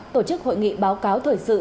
tổ chức hội nghị báo cáo thời sự